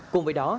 cùng với đó